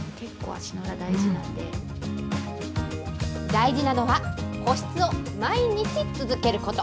大事なのは、保湿を毎日続けること。